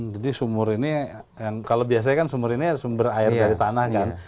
jadi sumur ini kalau biasanya kan sumur ini sumber air dari tanah kan